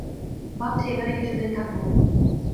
ভাবছি এখানে কিছুদিন থাকবো।